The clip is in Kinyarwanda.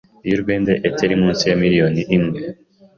y’u Rwende eteri munsi ye miliyoni imwe,